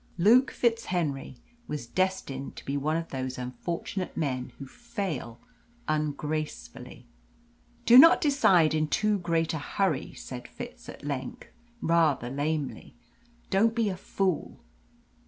Luke FitzHenry was destined to be one of those unfortunate men who fail ungracefully. "Do not decide in too great a hurry," said Fitz at length, rather lamely. "Don't be a fool!"